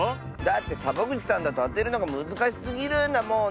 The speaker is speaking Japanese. だってサボぐちさんだとあてるのがむずかしすぎるんだもん。